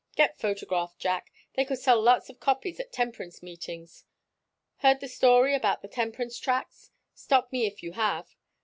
Get photographed, Jack they could sell lots of copies at temperance meetings. Heard the story about the temperance tracts? Stop me if you have.